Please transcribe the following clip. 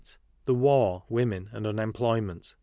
The War ; Women ; and Unemployment.